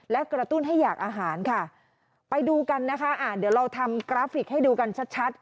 และกระตุ้นให้อยากอาหารค่ะไปดูกันนะคะอ่าเดี๋ยวเราทำกราฟิกให้ดูกันชัดชัด